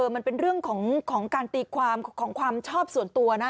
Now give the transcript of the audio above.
มันเป็นเรื่องของการตีความของความชอบส่วนตัวนะ